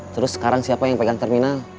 terus sekarang siapa yang pegang terminal